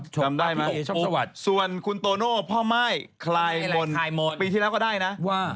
ชมได้ไหมส่วนคุณโตโน่พ่อม่ายคลายมนต์ปีที่แล้วก็ได้นะว่า